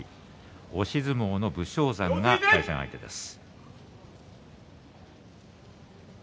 押し相撲の武将山が対戦相手です。